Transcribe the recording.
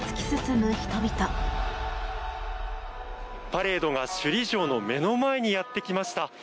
パレードが首里城の目の前にやってきました。